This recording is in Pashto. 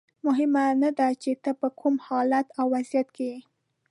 مهمه نه ده چې ته په کوم حالت او وضعیت کې یې.